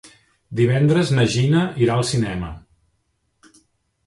Divendres na Gina irà al cinema.